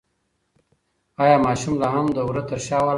ایا ماشوم لا هم د وره تر شا ولاړ دی؟